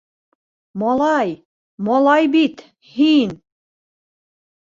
Малай, малай бит, һин!..